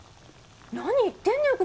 何言ってんのよ